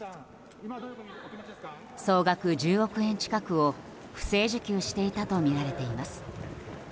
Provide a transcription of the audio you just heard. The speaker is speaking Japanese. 総額１０億円近くを不正受給していたとみられています。